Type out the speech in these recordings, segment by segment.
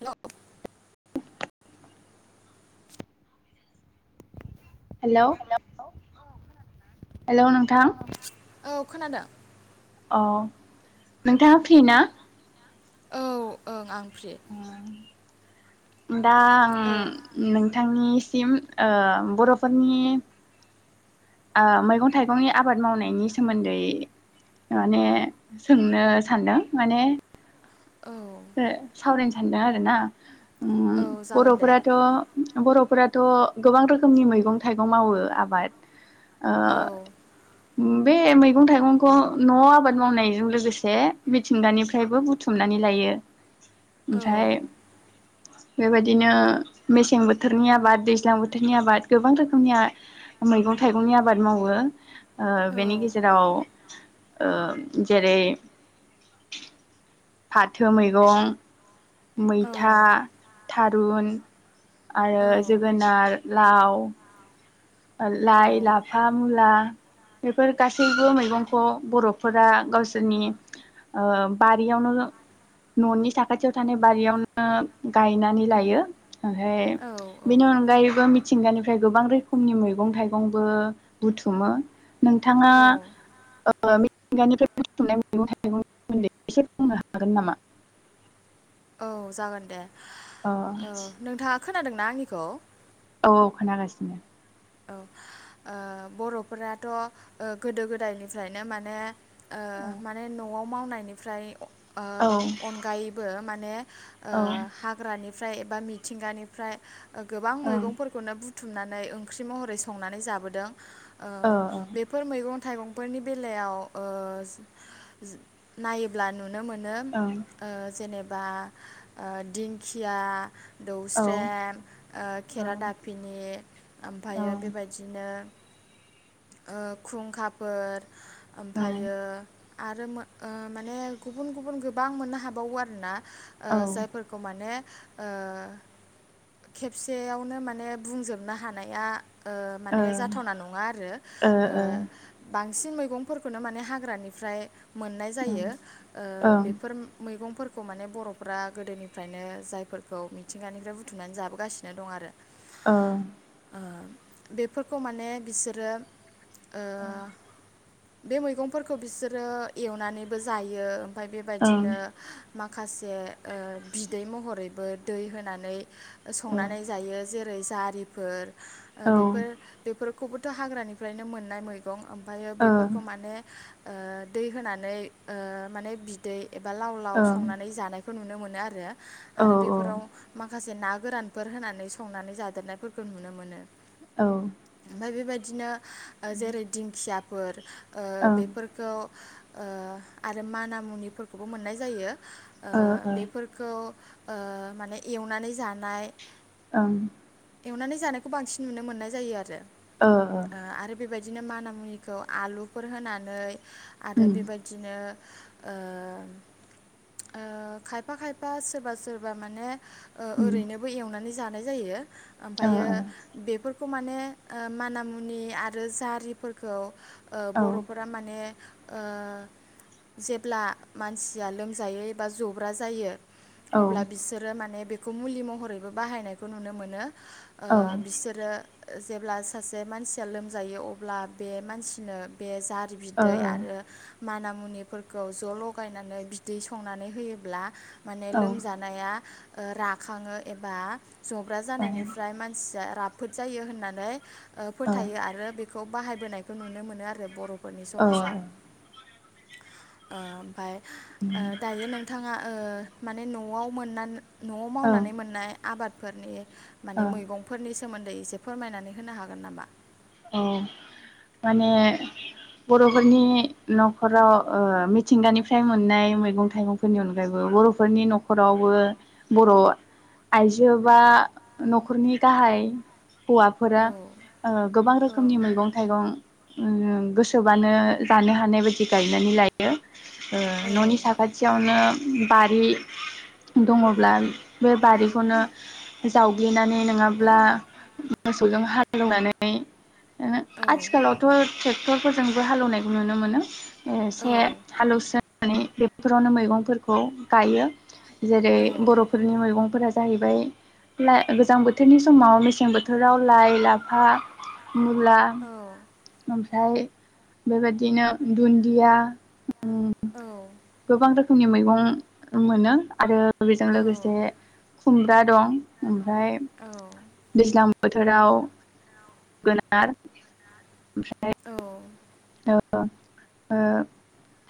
Hello. Hello. Hello hello नोंथां नोंथां। औ खोनादों। अ नोंथाङा फ्रिना? औ ओं आं फ्रि ओं। दा आं ओ नोंथांनि सिम ओ बर'फोरनि ओ मैगं थाइगंनि आबाद मावनायनि सोमोन्दै माने सोंनो सानदों माने औ [unintelligible] सावरायनो सानदों आरोना। ओम औ जागोन दे बर'फोराथ' बर'फ फोरथ' गोबां रोखोमनि मैगं थाइगं मावो आबाद ओ औ। बे मैगं थाइगंखौ न' आबाद मावनायजों लोगोसे मिथिंगानिफ्रायबो बुथुमनानै लायो। [inaudible] औ। ओमफ्राय बेबायदिनो मेसें बोथोरनि आबाद दैज्लां बोथोरनि आबाद गोबां रोखोमनि आ-मैगं थाइगंनि आबाद मावो। ओ औ बेनि गेजेराव ओ जेरै फाथो मैगं औ मैथा, था रुन आरो जोगोनार लाव। लाइ लाफा मुला बेफोर गासैबो मैगंखौ बर'फोरा गावसोरनि ओ बारियावनो न'नि साखाथियाव थानाय बारियावनो गायनानै लायो। आहाय औ बिनि अनगायैबो मि मिथिंगानिफ्राय गोबां रोख फुंनि मैगं थाइगंबो बुथुमो। नोंथाङा औ ओ मिथिंगानिफ्राय बुथुमनाय मैगं थाइगं सोमोन्दै एसे बुंनो हागोन नामा? औ जागोन दे अ ओ नोंथां खोनादोंना आंनिखौ, औ औ खोनागासिनो, औ ओ बर'फोराथ' गोदो गोदायनिफ्रायनो माने, ओ औ माने न'आव मावनाय, बेनिफ्राय, ओ औ अनगायैबो माने ओ औ हाग्रानि जाय एबा मिथिंगानिफ्राय गोबां औ मैगंफोरखौनो बु बुथुमनानै ओं ओंख्रि महरै संनानै जाबोदों, ओ औ बेफोर मैगं थाइगंफोरनि बेलायाव ओ जो नायोब्ला नु नुनो मोनो ओ जेनेब बा ओ दिंखिया, औ औ दौस्रम ओ खेरा औ दाफिनि ओमफायो बेबायदिनो [unintelligible] ओ खुंखाफोर ओमफायो आरो मो ओ माने गुबुन गुबुन गोबां मोननो हाबावो आरोना? ओ जायफोरखौ माने ओ खेबसेयावनो माने बुंजोबनो हानाया, ओ माने जाथावना नङा आरो ओ बाद बांसिन मैगंफोरखौनो माने हाग्रानिफ्राय, मोननाय जायो ओ बेफोर मैगंफोर खौ माने बर'फ्रा गोदोनिफ्रायनो जायफोरखौ मिथिंगानिफ्राय बुथुमनानै जाबोगासिनो दं आरो ओं बेफोरखौ माने बिसोरो ओ बे मैगंफोरखौ बिसोरो एवनानैबो जायो। ओमफाय ओं बेबायदिनो मा माखासे ओ बिदै महरैबो दै होनानै औ संनानै जायो जे जेरै जारिफोर ओ औ ओं औ बेफोर बेफोर खौबोथ' हाग्रानि फ्रायनो मोननाय मैगं ओम फायो बेफोरखौ माने ओ दै होनानै ओ माने बिदै एबा लाव लाव संनानै जानायखौ नुनो मो नो आरो आरो बेफोराव माखासे ना गोरानफोर होनानै संनानै जादेरनायफोरखौ नुनो मोनो औ ओमफाय बे बायदि दिनो ओ जेरै दिंखिया फोर ओ ओं बेफोरखौ ओ आरो माना मुनिफोरखौबो मोननाय जायो ओ बेफोरखौ ओ माने एवनानै जानाय ओं एवनानै जानायखौ बांसिन नुनो मोननाय जायो आरो ओ आरो बेबायदि दिनो माना मुनिखौ आलुफोर होनानै आरो उम बेबायदिनो ओ ओ खायफा खायफा सोरबा सोरबा माने ओ उम ओरैनोबो एवनानै जा नाय जायो ओ ओमफायो बेफो खौ मानो ओ माना मुनि आरो जारिफोरखौ ओ ओ औ बर'फोरा माने ओ जेब्ला मानसिया लोमजायो एबा जब्रा जायो औ अब्ला बिसोरो माने बे खौ मुलि महरैबो बाहायनायखौ नुनो मोनो ओ बिसोरो ओ जेब्ला सासे जे मानसिया लोमजायो अब्ला बे मानसिनो बे जाद औ बिदै आरो माना मुनिफोरखौ ज' लगायनानै बिदै संनानै होयोब्ला माने औ लोमजानाया ओ राखाङो एबा जब्रा जानायनिफ्राय मानसिया राफ फोद जायो होननानै ओ औ फोथायो आरो बेखौ बाहायबोनायखौ नुनो मोनो आरो बर' फोरनि समाजाव। ओ ओमफाय ओ दायो नोंथाङा ओ माने न'आव मोननान न'आव मावनानै औ मोननाय आबाद फोरनि माने ओं मैगंफोरनि सोमोन्दै एसे फोरमायनानै होनो हाग गोन नामा? औ माने बर'फोरनि न'खराव ओ मिथिंगानिफ्राय मोननाय मैगं थाइगंफोरनि अनगायैबो बर'फोरनि न'खरावबो बर' आइजो बा न'खरनि गाहाइ औ हौवाफोरा ओ औ रोखोमनि मैगं थाइगं। उम गोसोबानो जानो हानाय बायदि गायनानै लायो। ओ औ न'नि साखाथियावनो बारि दङब्ला बे बारिखौनो जावग्लिनानै नोङाब्ला सौजों हालेवनानै [unintelligible] ओ औ आथिखालावथ' थ्रेक्टरफोरजोंबो हालेवनायखौ नुनो मोनो। औ एसे हालौवसो नानै बेफोरावनो मैगंफोरखौ गायो। जेरै औ बर'फोरनि मैगंफोरा जाहैबाय लाय गोजां बोथोरनि समाव मेसें बोथोराव लाइ लाफा मुला ओमफ्राय बेबायदिनो दुन्दिया। उम गोबां रो खोमनि मैगं मोनो आरो बेजों औ लोगोसे खुमब्रा दं। ओमफ्राय औ। दैज्लां बोथोराव जोगोनार ओमफ्राय औ। ओ ओ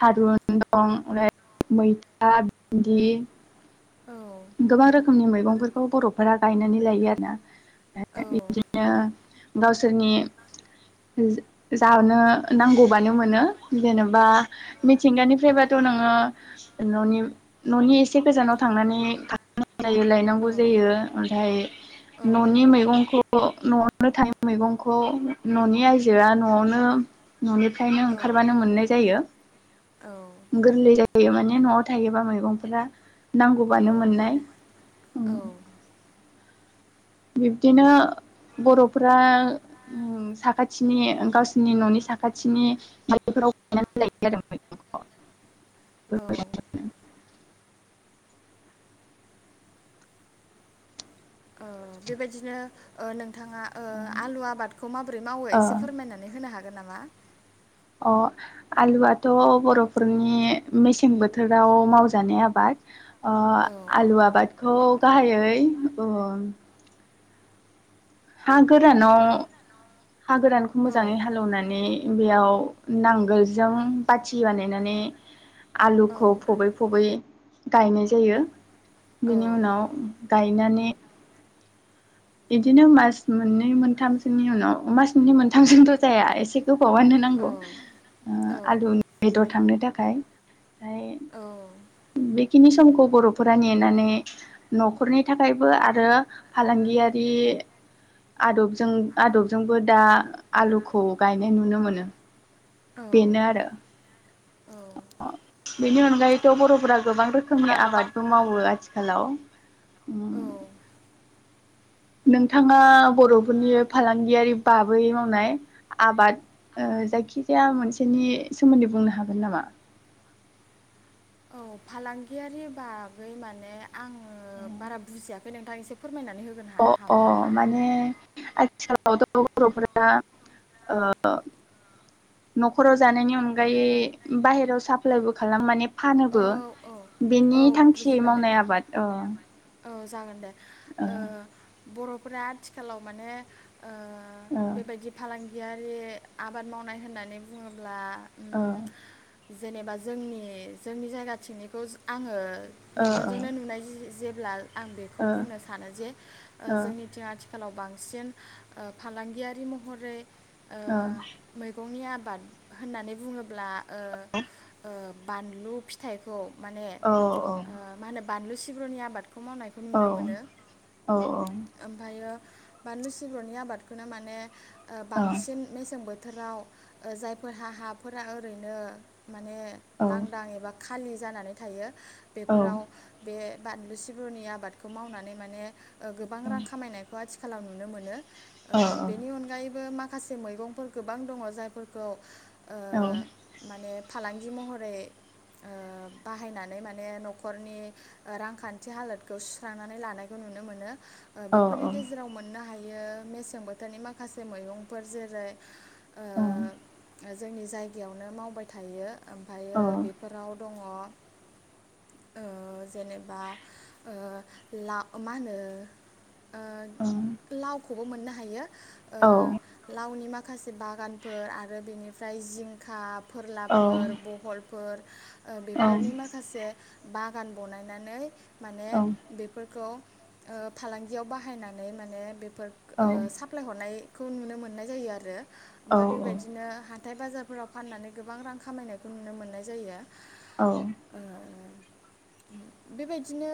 थारुन दं ओमफ्राय मैथा भिन्दि गोबां रोखोमनि मैगंं बेफोरखौ बर'फोरा गायनानै लायो आरोना। बिदिनो गावसोरनि जा जानो नांगौबानो मोनो जेनेबा मिथिंगानिफ्रायबाथ' नोङो न'नि न'नि एसे गोजानाव थांनानै खाहैनांगौ। जायो लायनांगौ जायो ओमफ्राय न'नि मैगंखौ न' न'आवनो थानाय मैगंखौ न'नि आइजोआ न'आवनो [unintelligible] न'निफ्रायनो ओंखारबानो मोननाय जायो। औ। गोरलै जायो माने न'आव थायोबा मैगंफोरा औ नांगौबानो मोननाय मानो औ उम। बिब्दिनो बर'फ्रा उम साखाथिनि गावसिनि न'नि साखाथिनि बारिफोराव गायनानै लायो आरो मैगंखौ। औ [unintelligible] [inaudible] ओ बेबायदिनो ओ नों थाङा ओ आलु आबादखौ माबोरै मावो ओ एसे फोरमायनानै होनो हा गोन नामा? अ आलुआथ' बर'फोरनि मेसें बोथोराव मावजानाय आबाद ओ औ आलु आबादखौ गाहायै ओम हा गोरानाव हा गोरानखौ औ मोजाङै हालेवनानै बेयाव नांगोलजों बाथि बानायनानै औ आलुखौ फबै फबै गायनाय जायो। औ बिनि उनाव गायनानै बिदिनो मास मोननै मोनथामसोनि उनाव मास मोननै मोनथामजोंथ' जाया एसे गो बावानो नांगौ ओ औ आलुनि बेदर थांनो [unintelligible] औ। खिनि समखौ बर'फोरा नेनानै न'खरनि थाखायबो आरो फालांगिया बि आदबजों आदबजोंबो दा आलुखौ गायनाय नुनो मोनो औ बिनो आरो बिनि अनगायैथ' बर'फोरा गोबां रोखोमनि आबादबो मावो आथि हेल' औ। नोंथाङा बर'फोरनि फालांगियारि बाबै मावनाय आबाद ओ जायखिजाया मोनसेनि सोमोन्दै बुंनो हागोन नामा? औ फालांगियारि बागै माने आङो बारा बुजिया बे नोंथां एसे फोरमायना अ' अ' माने आथिखालावथ' बर'फोरा ओ न'खराव जानायनि अनगायै बाहेरायाव साप्लायबो खालाम माने औ फानोबो औ औ बेनि थांखियै बुजिबाय मावनाय नोंथां आबाद अ' औ जागोन दे। ओ बर' फोरा आथिखालाव माने ओ ओ बेबायदि फालां गियारि आबाद मावनाय होननानै बुङोब्ला ओ। उम जेनेबा जोंनि जोंनि जायगाथिंनिखौ आङो ओ मेगनजोंनो नुनाय जि जेब्ला आं बेखौ ओ बुंनो सानो जे ओ जोंनिथिं आथि‌ खालाव बांसिन ओ फालांगियारि महरै ओ मैगंनि आ बाद होननानै बुङोब्ला ओ ओ बानलु फिथाइखौ औ माने औ। मा होनो बानलु सिब्रुनि आबाद। खौ मावनायखौ नुनो मोनो ओमफ्रायो बानलु सिब्रनि आबादखौनो माने ओ बांसिन मेसें बोथोर बोथोराव ओ जायफोरहा हाफोरा ओरैनो माने लांदां एबा खा खालि जानानै थायो ओ औ बेफोराव बे बानलु सिब्रनि आबादखौ मावनानै माने ओ गोबां रां खामायनायखौ आथि खालाव नुनो मोनो ओ बेनि औ अनगायैबो मा माखासे मैगंफोर गोबां दङ जायफोरखौ औ माने फालांगि महरै ओ बाहायनानै माने माने न'खरनि रांखान्थि हालोदखौ सुस्रांनानै लानायखौ नुनो मोनो ओ औ बेफोरनि औ गेजेराव मोननो हायो दायो मेसें बोथोरनि माखासे मैगंफोर जेरै ओ औ जोंनि जायगायावनो मावबाय थायो ओमफायो बेफोराव दङ ओ जेनेबा ओ ला मा होनो ओ लाव ख बो मोननो हायो ओ लावनि माख माखासे बागानफोर आरो बेनिफ्राय जिंखा फोरलाफोर बहल फोर ओ बेफोरनि माखासे बागान बनायनानै माने बेफोरखौ ओ फालांगियाव बाहायनानै माने बे फोर ओ साप्लाय हरनाय खौ नुनो मोननाय जायो आरो ओमफाय बेबायदिनो हा हाथाय बाजारफोराव फाननानै गोबां रां खामायनायखौ नुनो मोननाय जायो ओ ओ ओं बेबायदिनो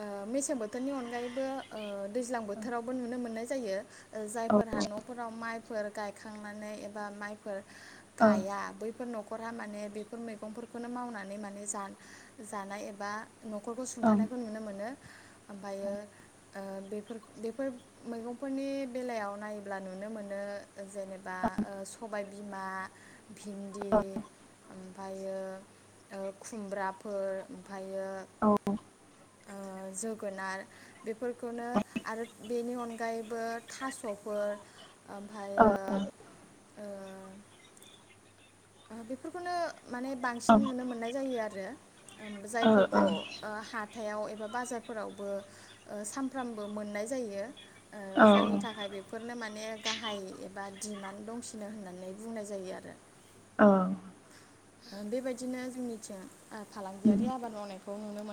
ओ मेसें बोथोरनि अनगायैबो ओ दैज्लां बोथोरावबो नुनो मोननाय जायो। ओ जायफोरहा न'फोराव माइफोर गायखांनानै एबा माइफोर गाया बैफोर न'खर माने बेफोर मैगंफोरखौनो मावनानै माने जान जानाय एबा न'खरखौ सुंथानायखौ नुनो मोनो ओमफ्रायो ओ बेफोर बेफोर मैगंफोरनि बेलायाव नायोब्ला नुनो मोनो जेनेबा ओ सबायबिमा, भिन्दि ओमफ्रायो ओ खुमब्राब फोर ओमफ्रायो ओ जोगोनार बेफोरखौनो आरो बेनि अनगायैबो थास'फोर ओमफ्रायो ओ ओ बेफोरखौनो माने बांसिन नुनो मोननाय जायो आरो जायफोरखौ ओ हा हाथायाव एबा बाजारफोरावबो ओ सामफ्रामबो मोननाय जायो। ओ जायनि थाखाय बेफोरनो माने माने गाहाय एबा दिडिमान्ड दंसिनो होननानै बुंनाय जायो आरो औ ओ बेबायदिनो जोंनिथिं फालांगियारि आबाद मावनायखौ नुनो मोनो।